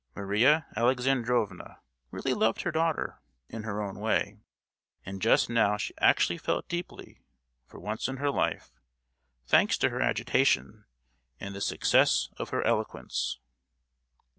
Maria Alexandrovna really loved her daughter, in her own way, and just now she actually felt deeply, for once in her life—thanks to her agitation, and the success of her eloquence.